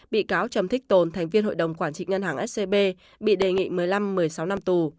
bị cáo trầm thích tồn thành viên hội đồng quản trị ngân hàng scb bị đề nghị một mươi năm một mươi sáu năm tù